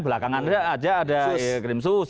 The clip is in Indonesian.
belakangan aja ada krim sus